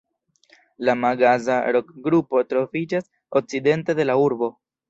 La Magaza-rokgrupo troviĝas okcidente de la urbo.